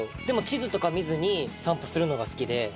でも地図とか見ずに散歩するのが好きで。